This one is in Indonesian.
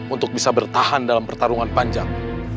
untuk bisa bertahan dalam pertarungan panjang